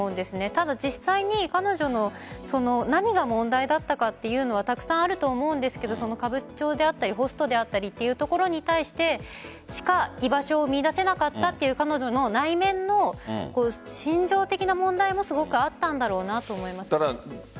ただ、実際に彼女の何が問題だったかというのはたくさんあると思うんですが歌舞伎町であったりホストであったりというところにしか居場所を見いだせなかったという彼女の内面の心情的な問題もすごくあったんだろうなと思います。